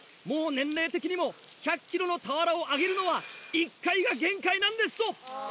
「もう年齢的にも１００ｋｇの俵を上げるのは１回が限界なんです」と！